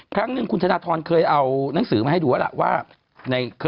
ครั้งนึงคุณธนาธรณ์เคยเอานังสือมาให้ดูว่าล่ะว่า